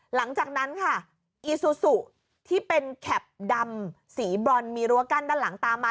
หลังจากนั้นค่ะอีซูซูที่เป็นแคปดำสีบรอนมีรั้วกั้นด้านหลังตามมา